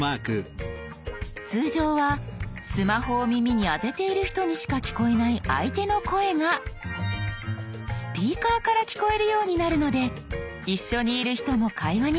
通常はスマホを耳に当てている人にしか聞こえない相手の声がスピーカーから聞こえるようになるので一緒にいる人も会話に参加できるんです。